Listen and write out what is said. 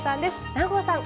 南光さん